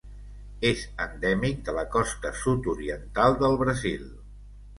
És endèmic de la costa sud-oriental del Brasil.